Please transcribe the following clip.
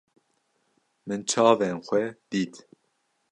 Min çavên xwe dît.